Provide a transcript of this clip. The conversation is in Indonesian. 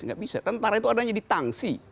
nggak bisa tentara itu adanya ditangsi